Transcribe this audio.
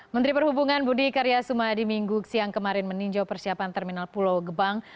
menteri perhubungan budi karya sumadi minggu siang kemarin meninjau persiapan terminal pulau gebang